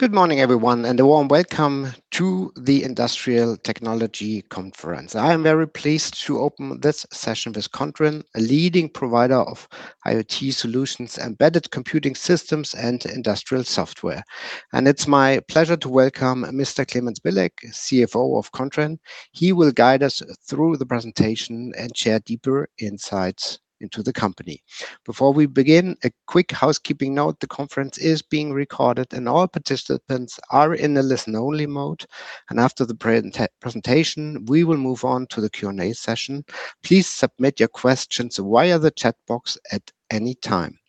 Good morning, everyone, and a warm welcome to the Industrial Technology Conference. I am very pleased to open this session with Kontron, a leading provider of IoT solutions, embedded computing systems, and industrial software. It's my pleasure to welcome Mr. Clemens Billek, CFO of Kontron. He will guide us through the presentation and share deeper insights into the company. Before we begin, a quick housekeeping note: the conference is being recorded, and all participants are in a listen-only mode. After the presentation, we will move on to the Q&A session. Please submit your questions via the chat box at any time.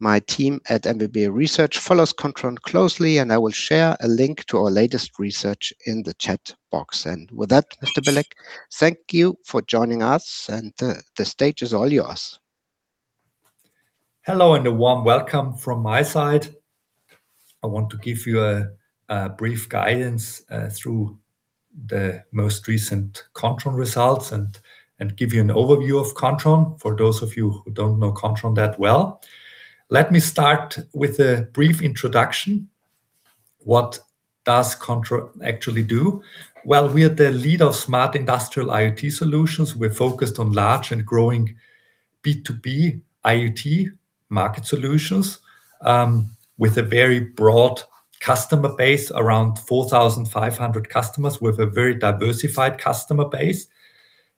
My team at MBB Research follows Kontron closely, and I will share a link to our latest research in the chat box. With that, Mr. Billek, thank you for joining us, and the stage is all yours. Hello, and a warm welcome from my side. I want to give you brief guidance through the most recent Kontron results and give you an overview of Kontron for those of you who don't know Kontron that well. Let me start with a brief introduction. What does Kontron actually do? Well, we are the lead of smart industrial IoT solutions. We're focused on large and growing B2B IoT market solutions, with a very broad customer base. Around 4,500 customers with a very diversified customer base.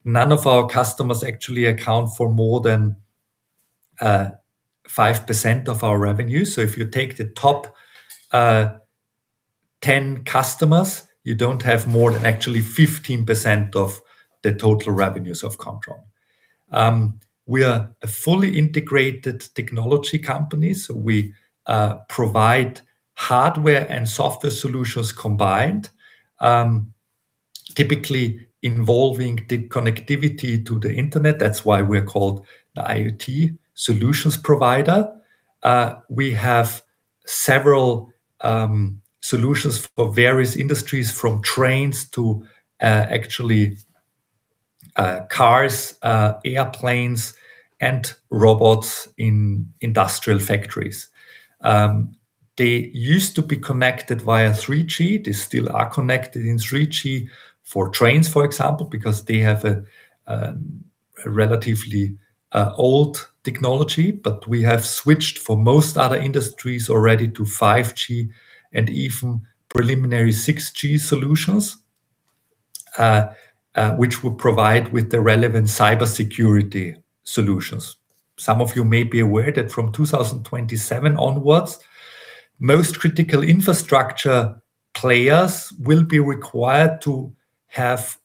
None of our customers actually account for more than 5% of our revenue. If you take the top 10 customers, you don't have more than actually 15% of the total revenues of Kontron. We are a fully integrated technology company, so we provide hardware and software solutions combined. Typically involving the connectivity to the internet. That's why we're called the IoT solutions provider. We have several solutions for various industries, from trains to actually cars, airplanes, and robots in industrial factories. They used to be connected via 3G. They still are connected in 3G for trains, for example, because they have a relatively old technology, but we have switched for most other industries already to 5G and even preliminary 6G solutions, which will provide the relevant cybersecurity solutions. Some of you may be aware that from 2027 onwards, most critical infrastructure players will be required to have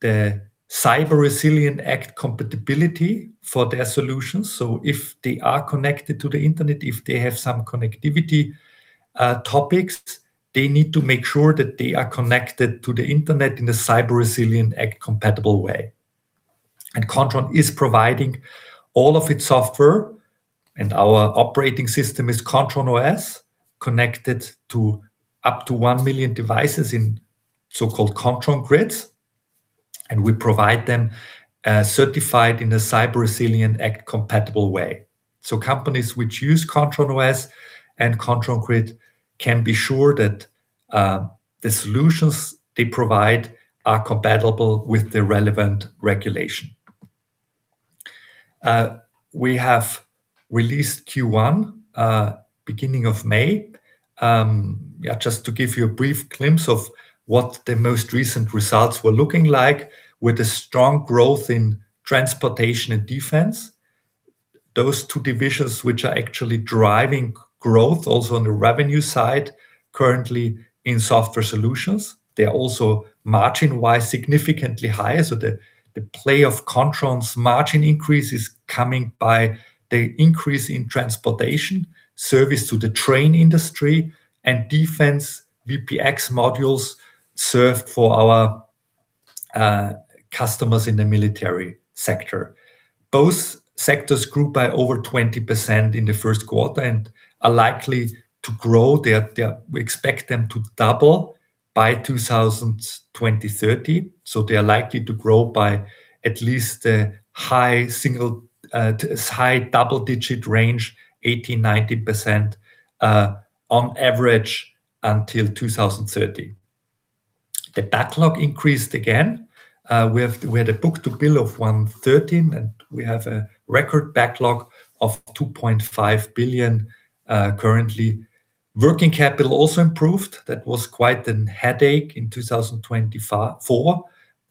the Cyber Resilience Act compatibility for their solutions. If they are connected to the internet or if they have some connectivity topics, they need to make sure that they are connected to the internet in a Cyber Resilience Act-compatible way. Kontron is providing all of its software, and our operating system is KontronOS, connected to up to one million devices in so-called Kontron Grids. We provide them certified in a Cyber Resilience Act-compatible way. Companies that use KontronOS and Kontron Grid can be sure that the solutions they provide are compatible with the relevant regulations. We have released Q1, beginning of May. Just to give you a brief glimpse of what the most recent results were looking like with the strong growth in transportation and defense. Those two divisions, which are actually driving growth also on the revenue side currently in software solutions. They are also margin-wise, significantly higher. The play of Kontron's margin increase is coming from the increase in transportation service to the train industry and defense VPX modules served for our customers in the military sector. Both sectors grew by over 20% in the first quarter and are likely to grow. We expect them to double by 2030, so they are likely to grow by at least a high-double-digit range, 80%–90%, on average until 2030. The backlog increased again. We had a book-to-bill of 113, and we have a record backlog of 2.5 billion currently. Working capital also improved. That was quite the headache in 2024.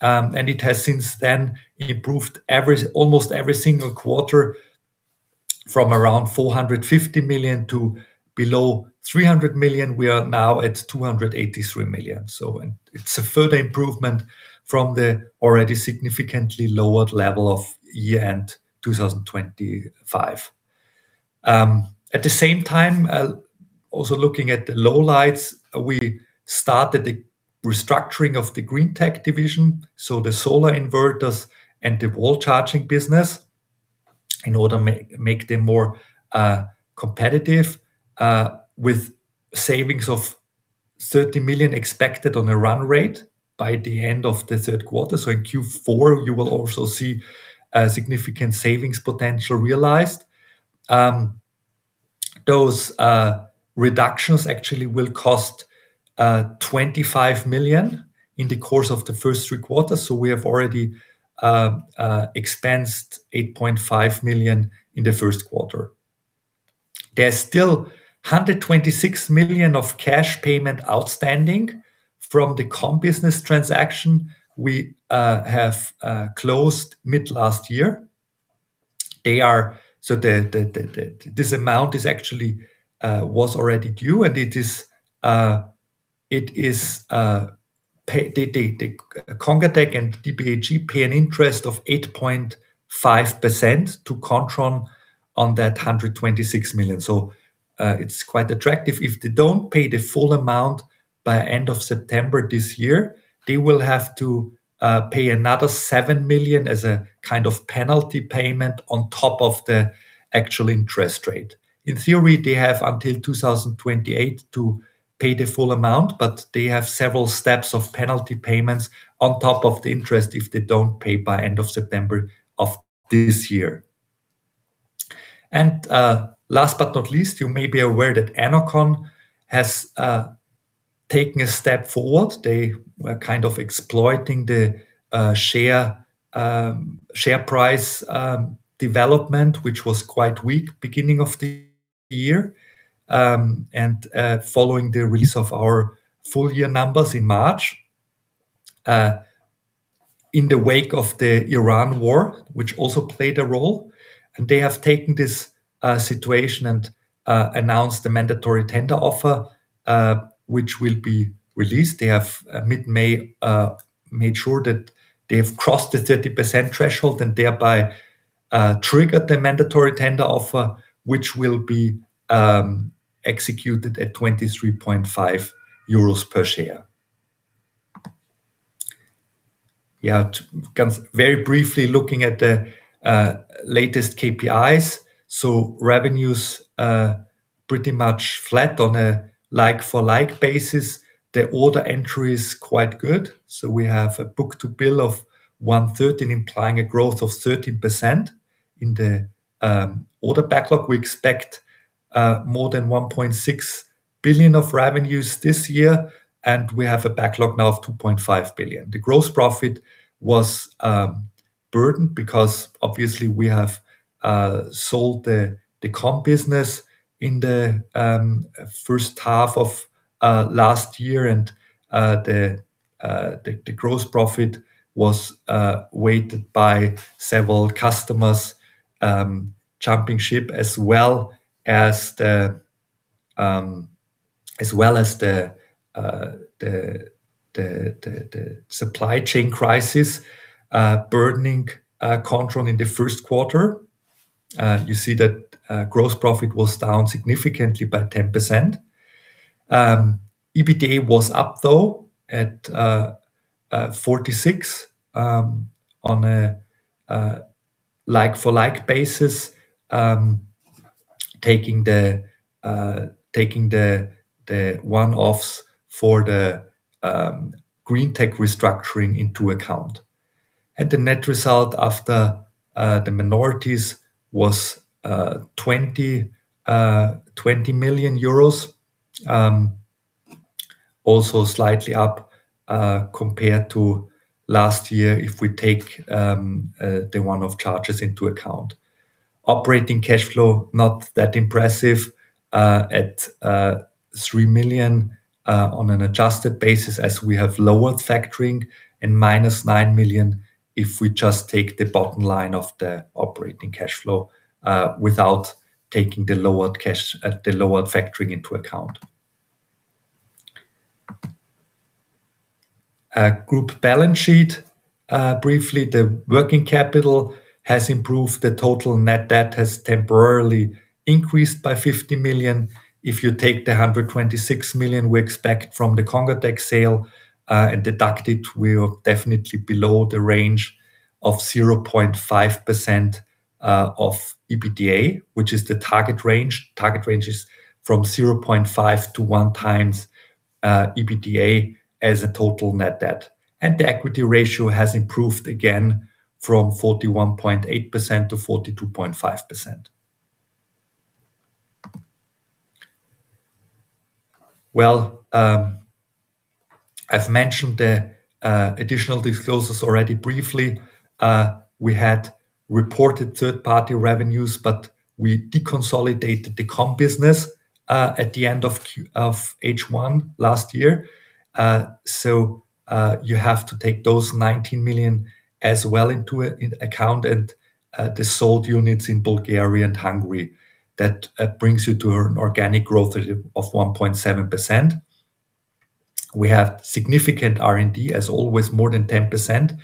It has since then improved almost every single quarter from around 450 million to below 300 million. We are now at 283 million. It's a further improvement from the already significantly lowered level of year-end 2025. At the same time, also looking at the lowlights, we started the restructuring of the GreenTec division, including the solar inverters and the wall charging business, in order to make them more competitive, with savings of 30 million expected on a run rate by the end of the third quarter. In Q4, you will also see a significant savings potential realized. Those reductions actually will cost 25 million in the course of the first three quarters. We have already expensed 8.5 million in the first quarter. There's still 126 million in cash payment outstanding from the COM business transaction we closed mid-last year. This amount actually was already due, and congatec and dhpg pay an interest of 8.5% to Kontron on that 126 million. It's quite attractive. If they don't pay the full amount by end of September this year, they will have to pay another 7 million as a kind of penalty payment on top of the actual interest rate. In theory, they have until 2028 to pay the full amount, but they have several steps of penalty payments on top of the interest if they don't pay by the end of September of this year. Last but not least, you may be aware that Ennoconn has taken a step forward. They were kind of exploiting the share price development, which was quite weak at the beginning of the year, and following the release of our full-year numbers in March, in the wake of the Iran war, which also played a role. They have taken this situation and announced the mandatory tender offer, which will be released. They have, mid-May, made sure that they've crossed the 30% threshold and thereby triggered the mandatory tender offer, which will be executed at 23.5 euros per share. Very briefly looking at the latest KPIs. Revenues are pretty much flat on a like-for-like basis. The order entry is quite good. We have a book-to-bill of 113, implying a growth of 13%. In the order backlog, we expect more than 1.6 billion of revenues this year, and we have a backlog now of 2.5 billion. The gross profit was burdened because obviously we sold the COM business in the first half of last year, and the gross profit was weighted by several customers jumping ship as well as the supply chain crisis burdening Kontron in the first quarter. You see that gross profit was down significantly by 10%. EBITDA was up at 46 million on a like-for-like basis, taking the one-offs for the GreenTec restructuring into account. The net result after the minorities was 20 million euros. Also slightly up compared to last year if we take the one-off charges into account. Operating cash flow is not that impressive at 3 million on an adjusted basis, as we have lowered factoring, and it is -9 million if we just take the bottom line of the operating cash flow without taking the lowered factoring into account. Group balance sheet. Briefly, the working capital has improved. The total net debt has temporarily increased by 50 million. If you take the 126 million we expect from the congatec sale and deduct it, we are definitely below the range of 0.5% of EBITDA, which is the target range. Target range is from 0.5x to 1x EBITDA as a total net debt. The equity ratio has improved again from 41.8%-42.5%. Well, I've mentioned the additional disclosures already briefly. We had reported third-party revenues, but we deconsolidated the COM business at the end of H1 last year. You have to take those 19 million as well into account and the sold units in Bulgaria and Hungary. That brings you to an organic growth rate of 1.7%. We have significant R&D, as always, more than 10%.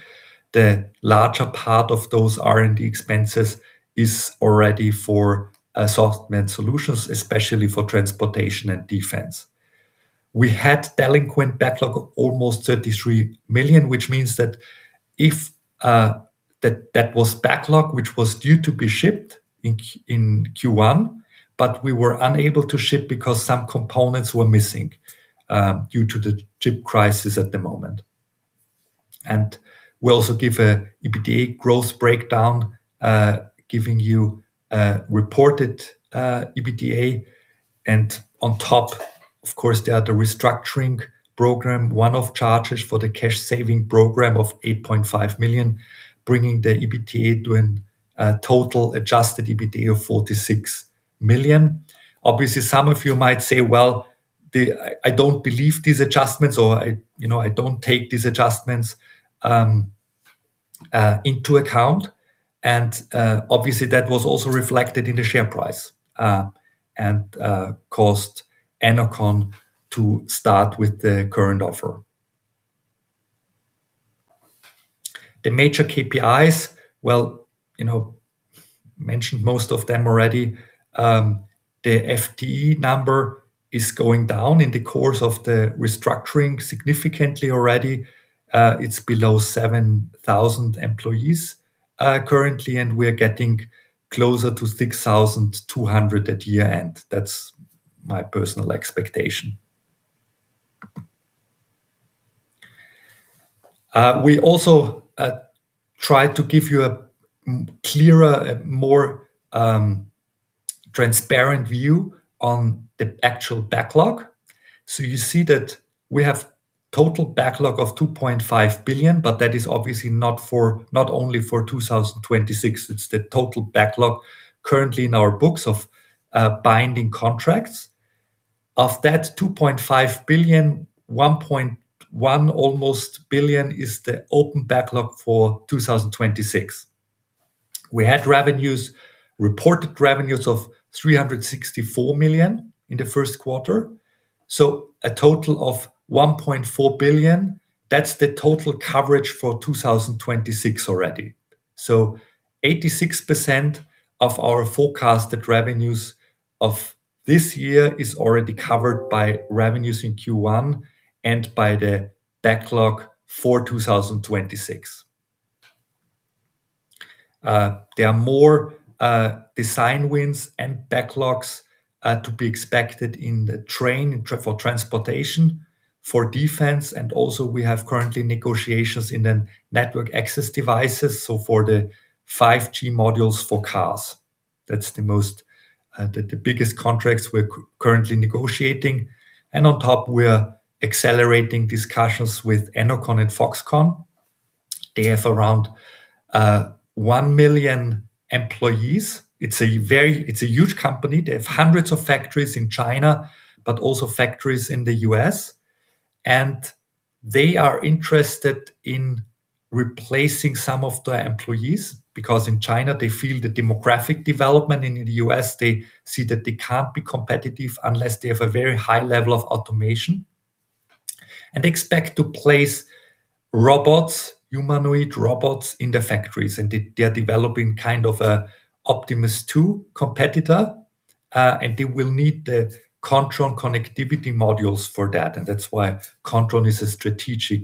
The larger part of those R&D expenses is already for Software Solutions, especially for transportation and defense. We had a delinquent backlog of almost 33 million, which means that was a backlog that was due to be shipped in Q1, but we were unable to ship because some components were missing due to the chip crisis at the moment. We also give an EBITDA growth breakdown, giving you reported EBITDA. On top, of course, there are the restructuring program and one-off charges for the cash-saving program of 8.5 million, bringing the EBITDA to a total adjusted EBITDA of 46 million. Obviously, some of you might say, Well, I don't believe these adjustments or, I don't take these adjustments into account. Obviously, that was also reflected in the share price and caused Ennoconn to start with the current offer. The major KPIs. Well, I've mentioned most of them already. The FTE number is going down in the course of the restructuring significantly already. It's below 7,000 employees currently, and we're getting closer to 6,200 at year-end. That's my personal expectation. We also try to give you a clearer, more transparent view on the actual backlog. You see that we have a total backlog of 2.5 billion, but that is obviously not only for 2026, it's the total backlog currently in our books of binding contracts. Of that 2.5 billion, almost 1.1 billion is the open backlog for 2026. We had reported revenues of 364 million in the first quarter, a total of 1.4 billion. That's the total coverage for 2026 already. 86% of our forecasted revenues for this year are already covered by revenues in Q1 and by the backlog for 2026. There are more design wins and backlogs to be expected in the train and for transportation and for defense, and also we currently have negotiations in the network access devices for the 5G modules for cars. Those are the biggest contracts we're currently negotiating. On top, we're accelerating discussions with Ennoconn and Foxconn. They have around one million employees. It's a huge company. They have hundreds of factories in China, but also factories in the U.S. They are interested in replacing some of their employees because in China, they feel the demographic development. In the U.S., they see that they can't be competitive unless they have a very high level of automation, and they expect to place robots, humanoid robots, in the factories. They are developing an Optimus Gen 2 competitor, and they will need the Kontron connectivity modules for that. That's why Kontron is strategically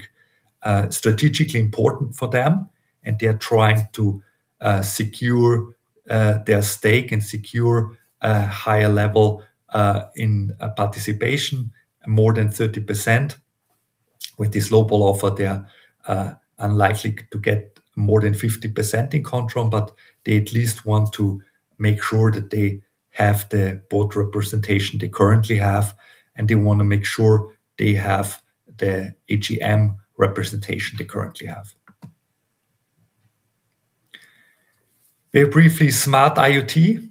important for them, and they are trying to secure their stake and secure a higher level in participation, more than 30%. With this low-ball offer, they are unlikely to get more than 50% in Kontron, but they at least want to make sure that they have the board representation they currently have, and they want to make sure they have the AGM representation they currently have. Very briefly, Smart IoT.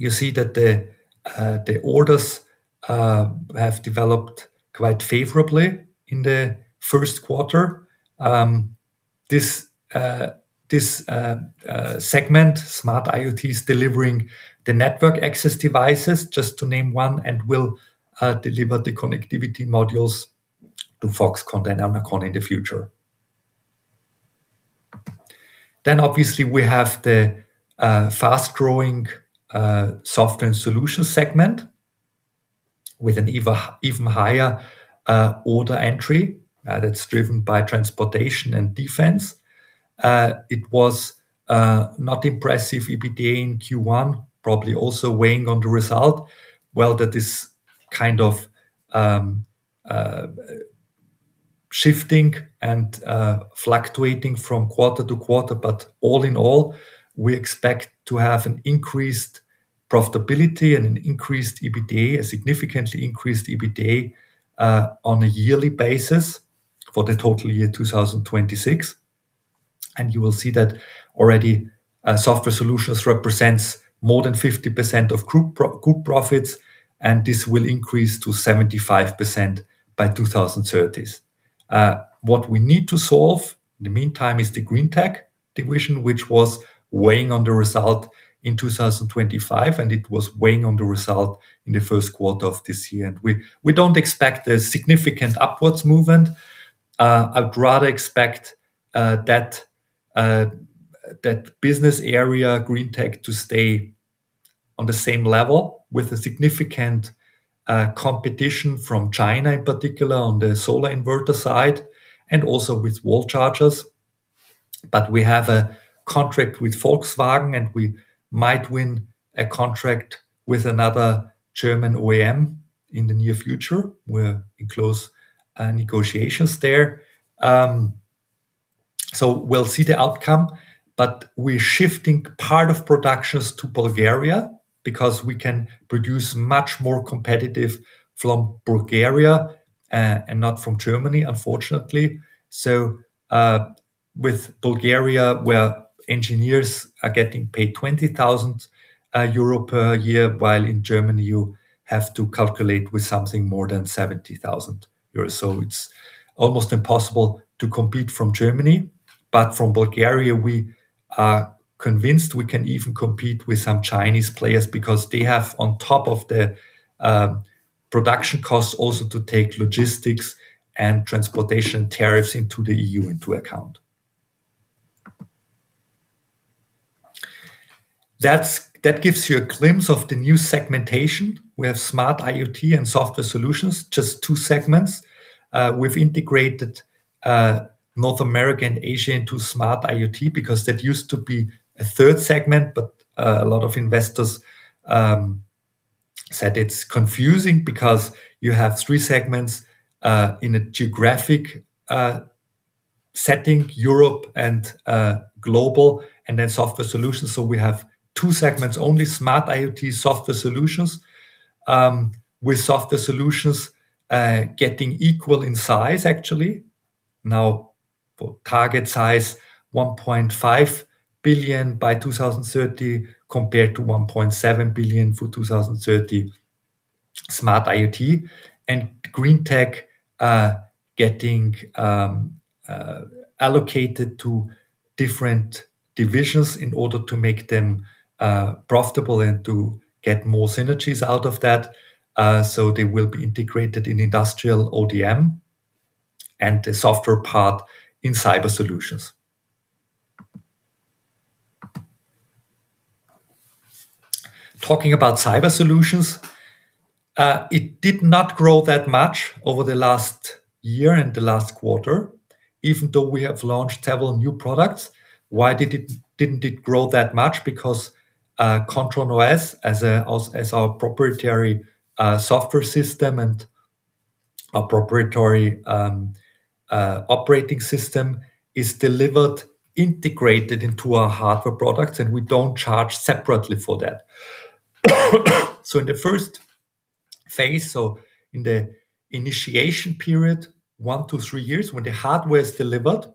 You see that the orders have developed quite favorably in the first quarter. This segment, Smart IoT, is delivering the network access devices, just to name one, and will deliver the connectivity modules to Foxconn and Ennoconn in the future. Obviously, we have the fast-growing Software Solutions segment with an even higher order entry that's driven by transportation and defense. It was not impressive EBITDA in Q1, probably also weighing on the result. That is kind of shifting and fluctuating from quarter to quarter. All in all, we expect to have increased profitability and an increased EBITDA, a significantly increased EBITDA, on a yearly basis for the total year 2026. You will see that already Software Solutions represents more than 50% of group profits, and this will increase to 75% by 2030. What we need to solve in the meantime is the GreenTec division, which was weighing on the result in 2025, and it was weighing on the result in the first quarter of this year. We don't expect a significant upward movement. I'd rather expect that business area, GreenTec, to stay on the same level with significant competition from China, in particular on the solar inverter side, and also with wall chargers. We have a contract with Volkswagen, and we might win a contract with another German OEM in the near future. We're in close negotiations there. We'll see the outcome, we're shifting part of production to Bulgaria because we can produce much more competitively from Bulgaria and not from Germany, unfortunately. With Bulgaria, where engineers are getting paid 20,000 euro per year, in Germany you have to calculate with something more than 70,000 euros. It's almost impossible to compete from Germany, from Bulgaria, we are convinced we can even compete with some Chinese players because they have, on top of their production costs, also to take logistics and transportation tariffs into the EU into account. That gives you a glimpse of the new segmentation. We have Smart IoT and Software Solutions, just two segments. We've integrated North America and Asia into Smart IoT because that used to be a third segment. A lot of investors said it is confusing because you have three segments in a geographic setting, Europe and global, and then Software Solutions. We have two segments only, Smart IoT and Software Solutions. With Software Solutions getting equal in size, actually. Now, for target size, 1.5 billion by 2030 compared to 1.7 billion for 2030 Smart IoT. GreenTec getting allocated to different divisions in order to make them profitable and to get more synergies out of that. They will be integrated in Industrial ODM and the software part in Cyber Solutions. Talking about Cyber Solutions, it did not grow that much over the last year and the last quarter, even though we have launched several new products. Why didn't it grow that much? KontronOS, as our proprietary software system and our proprietary operating system, is delivered integrated into our hardware products, and we don't charge separately for it. In the first phase, in the initiation period, one to three years, when the hardware is delivered,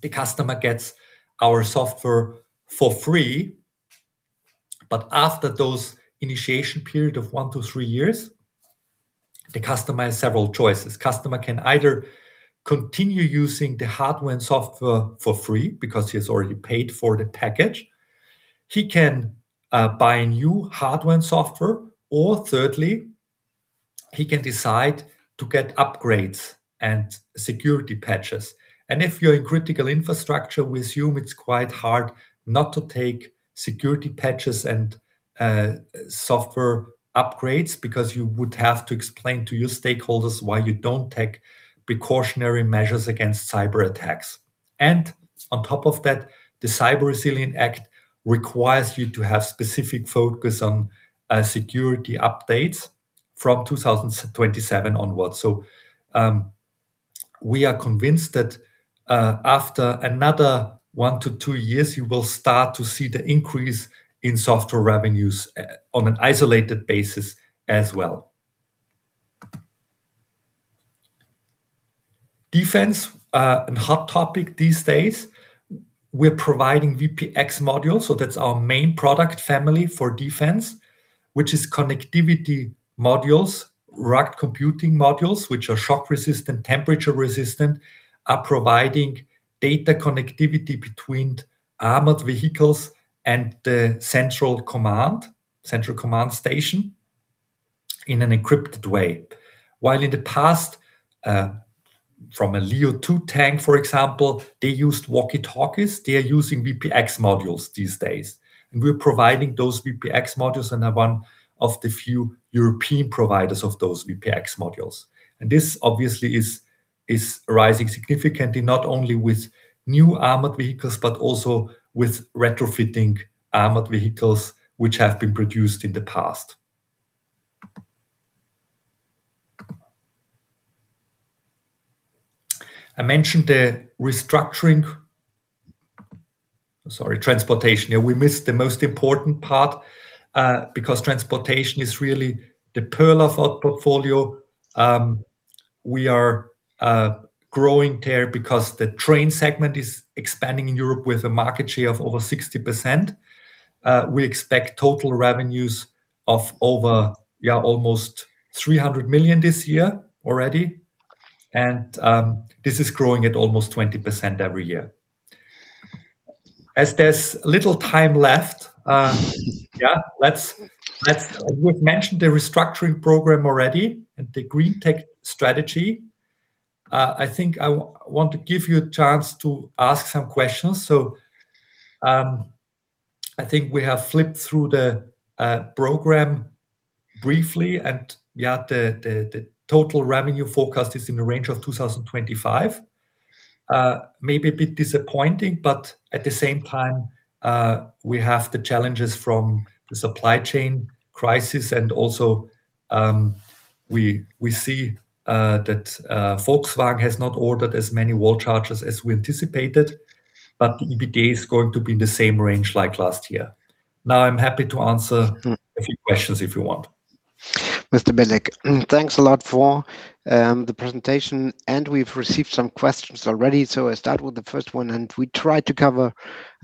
the customer gets our software for free. After that initiation period of one to three years, the customer has several choices. Customer can either continue using the hardware and software for free because he has already paid for the package. He can buy new hardware and software. Thirdly, he can decide to get upgrades and security patches. If you're in critical infrastructure, we assume it's quite hard not to take security patches and software upgrades because you would have to explain to your stakeholders why you don't take precautionary measures against cyber attacks. On top of that, the Cyber Resilience Act requires you to have a specific focus on security updates from 2027 onwards. We are convinced that after another one to two years, you will start to see the increase in software revenues on an isolated basis as well. Defense is a hot topic these days. We're providing VPX modules, that's our main product family for defense, which are connectivity modules and racked computing modules, which are shock-resistant and temperature-resistant and are providing data connectivity between armored vehicles and the central command station in an encrypted way. While in the past, from a Leopard 2 tank, for example, they used walkie-talkies. They are using VPX modules these days. We're providing those VPX modules and are one of the few European providers of those VPX modules. This obviously is rising significantly, not only with new armored vehicles but also with retrofitting armored vehicles that have been produced in the past. I mentioned the restructuring. Sorry, transportation. Yeah, we missed the most important part, because transportation is really the pearl of our portfolio. We are growing there because the train segment is expanding in Europe with a market share of over 60%. We expect total revenues of over almost 300 million this year already, and this is growing at almost 20% every year. There's little time left, yeah, we've mentioned the restructuring program already and the GreenTec strategy. I think I want to give you a chance to ask some questions. I think we have flipped through the program briefly, and yeah, the total revenue forecast is in the range of 2025. Maybe a bit disappointing. At the same time, we have the challenges from the supply chain crisis, and also, we see that Volkswagen has not ordered as many wall chargers as we anticipated. The EBITDA is going to be in the same range like last year. Now I'm happy to answer a few questions if you want. Mr. Billek. Thanks a lot for the presentation, and we've received some questions already, so I start with the first one, and we try to cover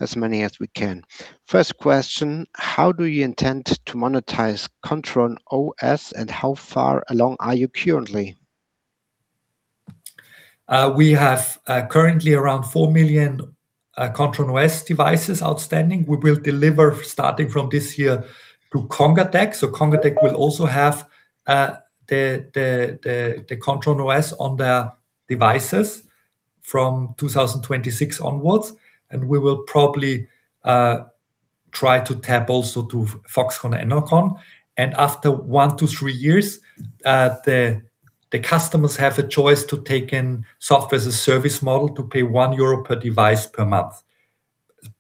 as many as we can. First question: how do you intend to monetize KontronOS, and how far along are you currently? We have currently around four million Kontron OS devices outstanding. We will deliver starting from this year to congatec. Congatec will also have the KontronOS on their devices from 2026 onwards, and we will probably try to tap into Foxconn and Ennoconn as well. After one to three years, the customers have a choice to take on the Software-as-a-Service model to pay 1 euro per device per month.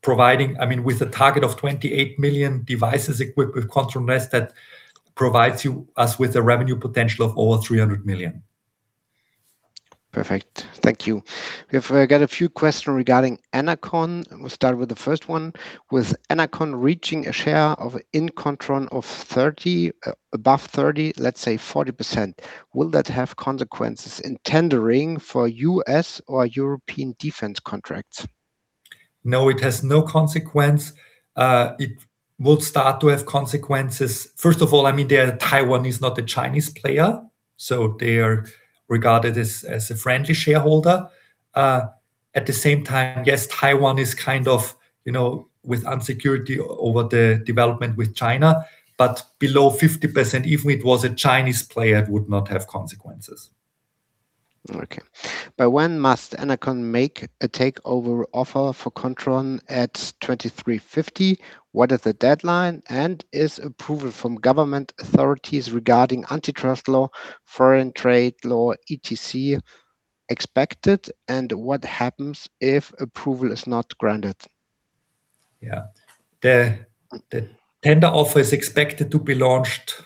With a target of 28 million devices equipped with KontronOS, that provides us with a revenue potential of over 300 million. Perfect. Thank you. We have got a few questions regarding Ennoconn. We'll start with the first one. With Ennoconn reaching a share of Kontron of 30% or above 30%, let's say 40%, will that have consequences in tendering for U.S. or European defense contracts? No, it has no consequence. It will start to have consequences. First of all, Taiwan is not a Chinese player, so they are regarded as a friendly shareholder. At the same time, yes, Taiwan is with insecurity over the development with China, but below 50%, even if it was a Chinese player, it would not have consequences. Okay. By when must Ennoconn make a takeover offer for Kontron at 23.50? What is the deadline, and is approval from government authorities regarding antitrust law, foreign trade law, etc., expected? What happens if approval is not granted? Yeah. The tender offer is expected to be launched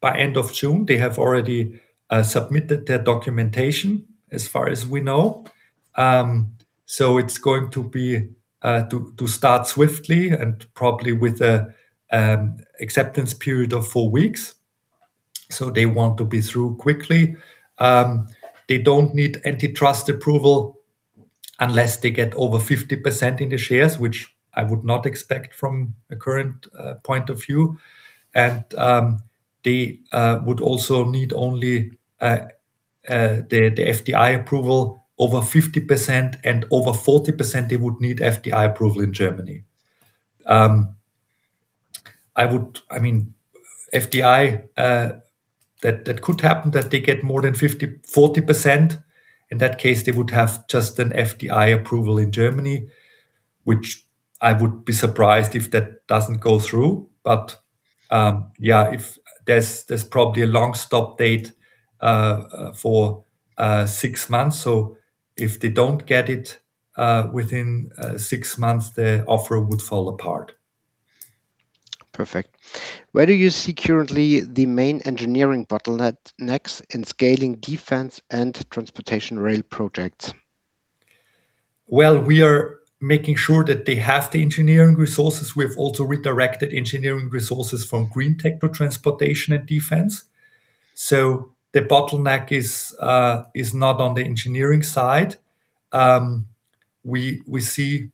by the end of June. They have already submitted their documentation, as far as we know. It's going to start swiftly and probably with an acceptance period of four weeks. They want to be through quickly. They don't need antitrust approval unless they get over 50% of the shares, which I would not expect from a current point of view. They would also need only the FDI approval over 50%, and over 40%, they would need FDI approval in Germany. FDI, it could happen that they get more than 40%. In that case, they would have just an FDI approval in Germany, which I would be surprised if it didn't go through. Yeah, there's probably a long stop date for six months. If they don't get it within six months, the offer would fall apart. Perfect. Where do you see currently the main engineering bottleneck next in scaling defense and transportation rail projects? We are making sure that they have the engineering resources. We have also redirected engineering resources from GreenTec to transportation and defense. The bottleneck is not on the engineering side. We had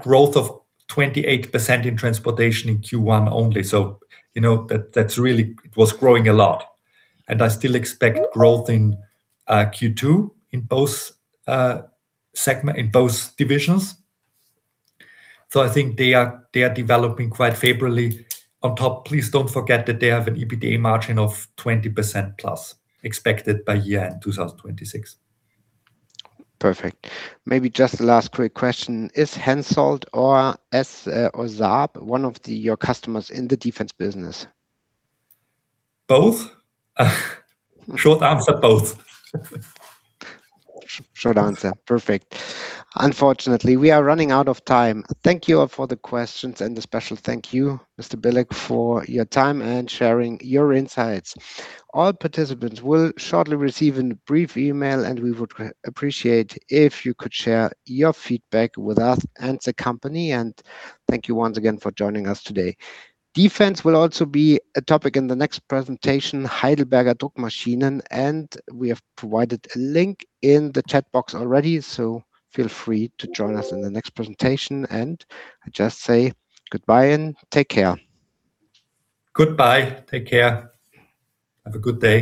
growth of 28% in transportation in Q1 only. That really was growing a lot. I still expect growth in Q2 in both divisions. I think they are developing quite favorably. On top, please don't forget that they have an EBITDA margin of 20% or more expected by year-end 2026. Perfect. Maybe just the last quick question. Is HENSOLDT and Saab one of your customers in the defense business? Both. Short answer, both. Short answer. Perfect. Unfortunately, we are running out of time. Thank you all for the questions. a special thank you, Mr. Billek, for your time and sharing your insights. All participants will shortly receive a brief email, we would appreciate it if you could share your feedback with us and the company, thank you once again for joining us today. Defense will also be a topic in the next presentation, Heidelberger Druckmaschinen, we have provided a link in the chat box already, feel free to join us in the next presentation. I just say goodbye and take care. Goodbye. Take care. Have a good day